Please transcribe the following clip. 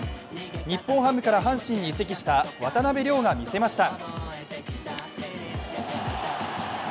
日本ハムから阪神に移籍した渡邉諒が見せました。